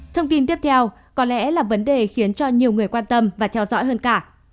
thông tin tiếp theo có lẽ là vấn đề khiến cho nhiều người quan tâm và theo dõi hơn cả